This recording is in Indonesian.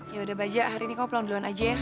ya udah baja hari ini kok pulang duluan aja ya